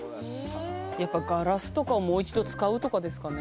やっぱガラスとかをもう一度使うとかですかね。